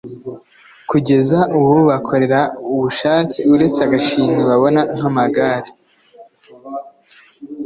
kugeza ubu bakorera ubushake uretse agashimwe babona nk'amagare,